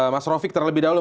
mas rofiq terlebih dahulu